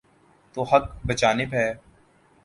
تو حق بجانب ہیں۔